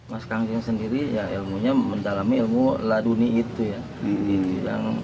mas kanjeng sendiri ya ilmunya mendalami ilmu laduni itu ya